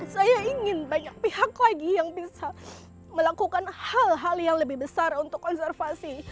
saya ingin banyak pihak lagi yang bisa melakukan hal hal yang lebih besar untuk konservasi